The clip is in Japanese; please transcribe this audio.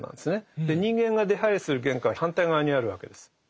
人間が出はいりする玄関は反対側にあるわけです。